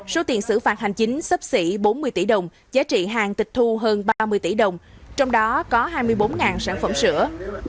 số tiền xử phạt hành chính sấp xỉ bốn mươi tỷ đồng giá trị hàng tịch thu hơn ba mươi tỷ đồng trong đó có hai mươi bốn sản phẩm sữa